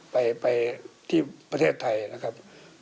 ไปที่ประเทศไทยนะครับ